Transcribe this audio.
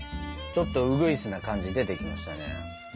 ちょっとうぐいすな感じ出てきましたね。